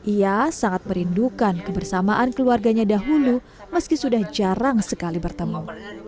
ia sangat merindukan kebersamaan keluarganya dahulu meski sudah jarang sekali bertemu